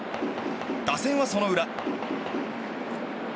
打線はその裏。